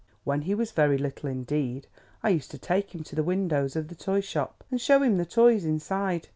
When he was very little indeed, I used to take him to the windows of the toy shops, and show him the toys inside.